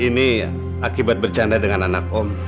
ini akibat bercanda dengan anak om